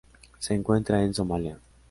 Se encuentra en Somalia.